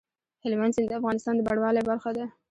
هلمند سیند د افغانستان د بڼوالۍ برخه ده.